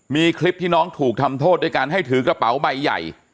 มีคลิปที่น้องถูกทำโทษด้วยการให้ถือกระเป๋าใบใหญ่